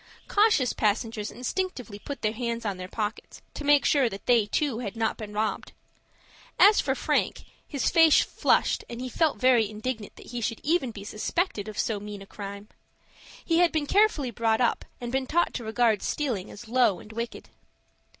Cautious passengers instinctively put their hands on their pockets, to make sure that they, too, had not been robbed. As for Frank, his face flushed, and he felt very indignant that he should even be suspected of so mean a crime. He had been carefully brought up, and been taught to regard stealing as low and wicked.